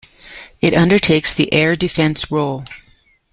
It undertakes the air defence role.